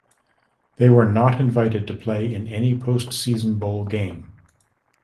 They were not invited to play in any post season bowl game.